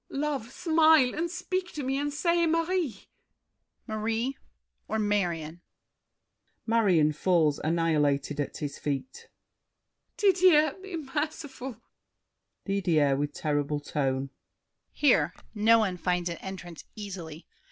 Love, smile And speak to me, and say "Marie." DIDIER. "Marie" Or "Marion"? MARION (falls annihilated at his feet). Didier, be merciful! DIDIER (with terrible tone). Here, no one finds an entrance easily.